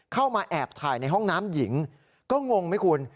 เข้ามาแอบถ่ายในห้องน้ำหญิงก็งงไหมคุณ